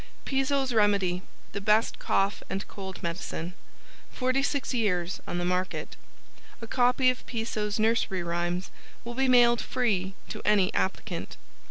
PISO'S REMEDY the Best Cough and Cold Medicine. 46 Years on the Market. A copy of Piso's Nursery Rhymes will be mailed free to any applicant.